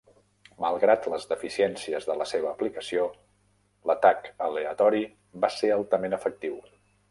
Malgrat les deficiències de la seva aplicació, l'atac aleatori va ser altament efectiu.